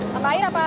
tambah air apa susu